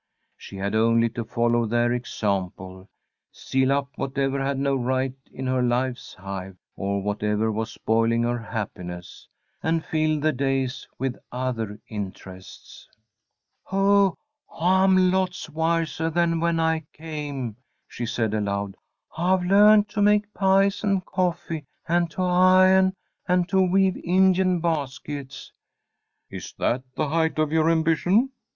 She had only to follow their example, seal up whatever had no right in her life's hive, or whatever was spoiling her happiness, and fill the days with other interests. "Oh, I'm lots wiseah than when I came," she said, aloud. "I've learned to make pies and coffee, and to i'on, and to weave Indian baskets." "Is that the height of your ambition?"